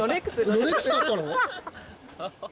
ロレックス買ったの？